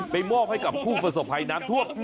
มอบให้กับผู้ประสบภัยน้ำท่วม